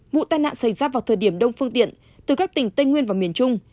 vụ tai nạn xảy ra vào thời điểm đông phương tiện từ các tỉnh tây nguyên và miền trung